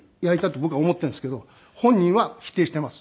僕は思ってるんですけど本人は否定してます。